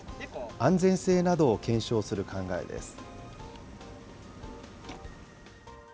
安全性などを検証する考えです。